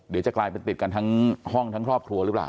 เดี๋ยวจะกลายเป็นติดกันทั้งห้องทั้งครอบครัวหรือเปล่า